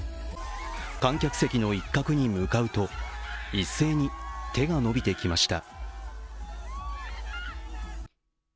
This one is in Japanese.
観客席の一角に向かうと、一斉に手が伸びてきました。